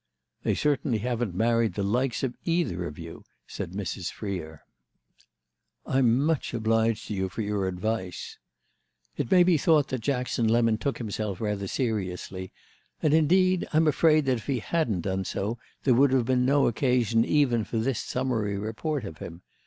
"They certainly haven't married the 'likes' of either of you!" said Mrs. Freer. "I'm much obliged to you for your advice." It may be thought that Jackson Lemon took himself rather seriously, and indeed I'm afraid that if he hadn't done so there would have been no occasion even for this summary report of him.